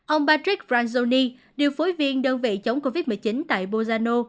ông patrick ranzoni điều phối viên đơn vị chống covid một mươi chín tại bozano